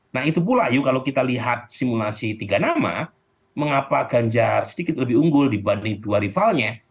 nah itu pula yuk kalau kita lihat simulasi tiga nama mengapa ganjar sedikit lebih unggul dibanding dua rivalnya